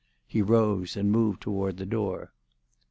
He rose, and moved toward the door.